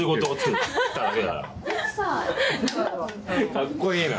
かっこいいな。